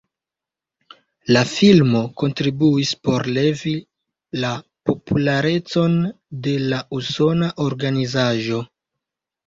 La filmo kontribuis por levi la popularecon de la usona organizaĵo.